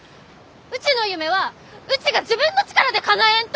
うちの夢はうちが自分の力でかなえんと！